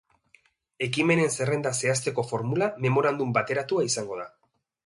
Ekimenen zerrenda zehazteko formula memorandum bateratua izango da.